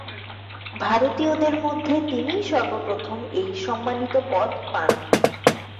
ভারতীয়দের মধ্যে তিনিই সর্বপ্রথম এই সম্মানিত পদ পান।